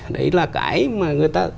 đấy là cái mà người ta